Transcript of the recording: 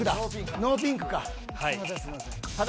ノーピンクだ。